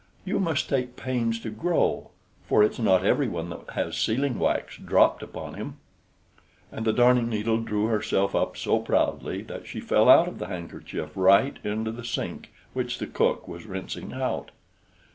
You must take pains to grow, for it's not every one that has sealing wax dropped upon him." And the Darning needle drew herself up so proudly that she fell out of the handkerchief right into the sink, which the cook was rinsing out.